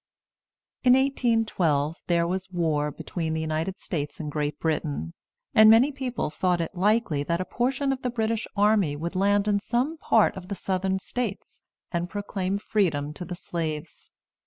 In 1812 there was war between the United States and Great Britain; and many people thought it likely that a portion of the British army would land in some part of the Southern States and proclaim freedom to the slaves.